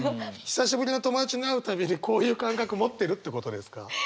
久しぶりの友達に会う度にこういう感覚持ってるってことですか？